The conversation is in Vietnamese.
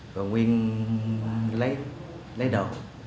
rồi nguyên lấy đồ